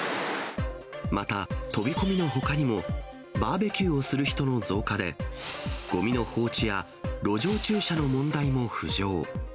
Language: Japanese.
また、飛び込みのほかにも、バーベキューをする人の増加で、ごみの放置や路上駐車の問題も浮上。